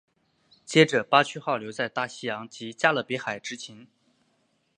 接着巴区号留在大西洋及加勒比海执勤。